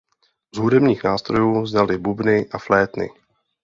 Z hudebních nástrojů znali bubny a flétny.